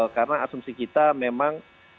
karena asumsi kita memang